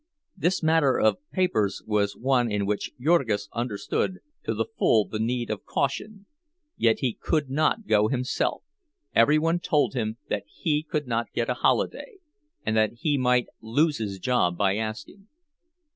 This matter of papers was one in which Jurgis understood to the full the need of caution; yet he could not go himself—every one told him that he could not get a holiday, and that he might lose his job by asking.